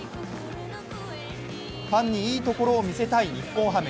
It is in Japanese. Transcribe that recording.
ファンにいいところを見せたい日本ハム。